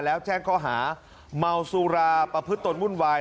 แล้วแจ้งข้อหาเมาสุราประพฤติตนวุ่นวาย